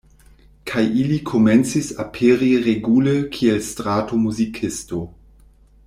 Kaj ili komencis aperi regule kiel strato muzikisto.